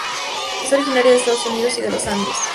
Es originaria de Estados Unidos y de los Andes.